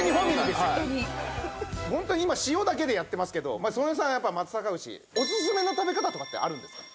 ホントに今塩だけでやってますけど曽根さんはやっぱり松阪牛おすすめの食べ方とかってあるんですか？